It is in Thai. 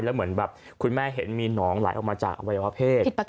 แล้วเหมือนแบบคุณแม่เห็นมีหนองไหลออกมาจากอวัยวะเพศ